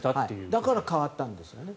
だから変わったんですよね。